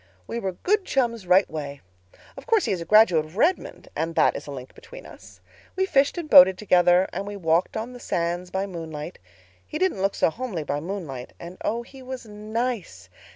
"We were good chums right way. Of course he is a graduate of Redmond, and that is a link between us. We fished and boated together; and we walked on the sands by moonlight. He didn't look so homely by moonlight and oh, he was nice.